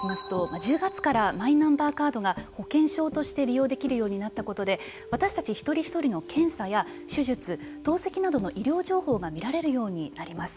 １０月からマイナンバーカードが保険証として利用できるようになったことで私たち一人一人の検査や、手術透析などの医療情報が見られるようになります。